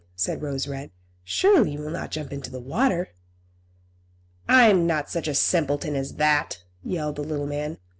said Rose Red. "Surely you will not jump into the water?" "I'm not such a simpleton as that!" yelled the little man.